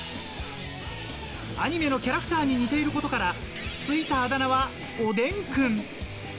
アニメのキャラクターに似ていることから、ついたあだ名は、おでんくん。